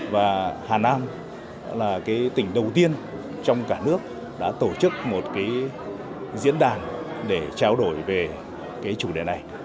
và hà nam là cái tỉnh đầu tiên trong cả nước đã tổ chức một cái diễn đàn để trao đổi về cái chủ đề này